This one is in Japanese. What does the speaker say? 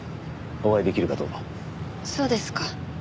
そうですか。